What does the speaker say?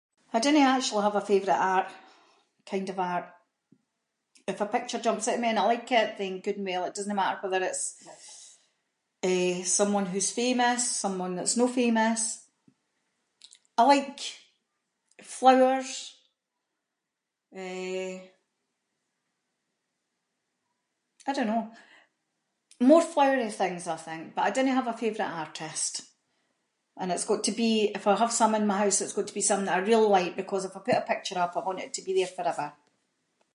I dinnae actually have a favourite art, kind of art, if a picture jumps out at me and I like it, then good and well, it doesnae matter whether it’s, eh, someone who's famous, someone that’s no famous. I like flowers, eh, I don’t know, more flowery things I think, but I dinnae have a favourite artist, and it’s got to be, if I have some in my house, it’s got to be something that I really like, because if I put a picture up, I want it to be there forever.